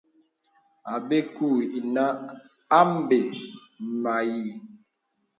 Àbɛ̄ɛ̄ kùù inə a mbè mə̀yīī.